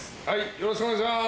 よろしくお願いします。